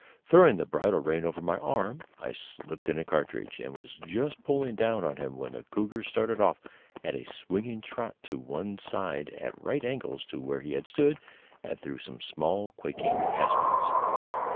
Throwing the bridle rein over my arm, I slipped in a cartridge, and was just pulling down on him when the cougar started off at a swinging trot to one side at right angles to where he had stood, and through some small quaking aspens.